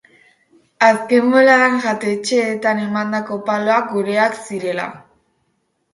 Azken boladan jatetxeetan emandako paloak gureak zirela.